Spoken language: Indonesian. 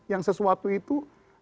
yang sesuatu itu